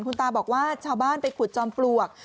คุณตาบอกว่าชาวบ้านไปขุดจอมปลวก